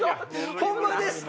ホンマですって！